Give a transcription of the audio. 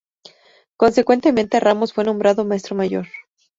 Consecuentemente Ramos fue nombrado maestro mayor.